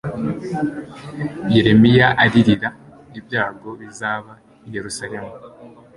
yeremiya aririra ibyago bizaba i yerusalemu